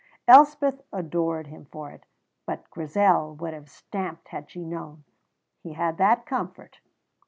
Elspeth adored him for it, but Grizel would have stamped had she known. He had that comfort.